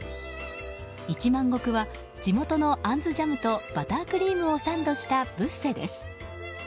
一万石は地元のあんずジャムとバタークリームをサンドしたブッセです。